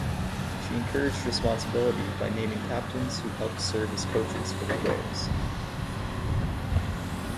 She encouraged responsibility by naming captains, who helped serve as coaches for the players.